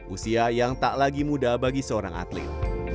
usia yang tak lagi muda bagi seorang atlet